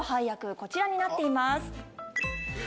こちらになっています。